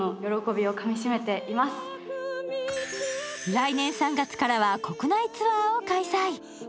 来年３月からは国内ツアーを開催。